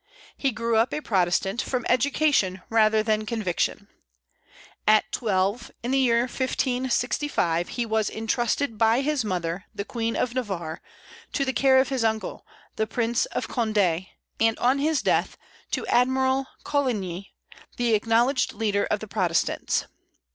He grew up a Protestant, from education rather than conviction. At twelve, in the year 1565, he was intrusted by his mother, the Queen of Navarre, to the care of his uncle, the Prince of Condé, and, on his death, to Admiral Coligny, the acknowledged leader of the Protestants.